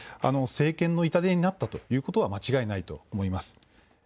政権の痛手になったということは間違いないと思います。